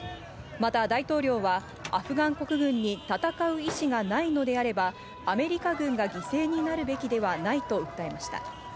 また、大統領はアフガン国軍に戦う意思がないのであれば、アメリカ軍が犠牲になるべきではないと訴えました。